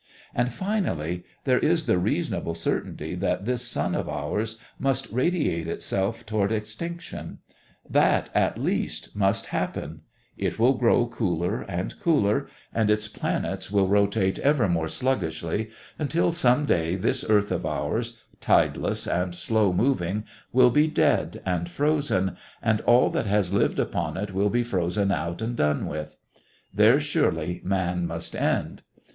And finally, there is the reasonable certainty that this sun of ours must radiate itself toward extinction; that, at least, must happen; it will grow cooler and cooler, and its planets will rotate ever more sluggishly until some day this earth of ours, tideless and slow moving, will be dead and frozen, and all that has lived upon it will be frozen out and done with. There surely man must end.